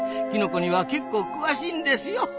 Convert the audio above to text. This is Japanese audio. キノコには結構詳しいんですよ。